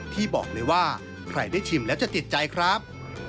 ที่บอกเลยว่าใครได้ชิมแล้วจะติดใจครับ